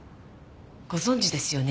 ご存じですよね？